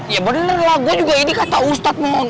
ya bener lah gue juga ini kata ustadz mon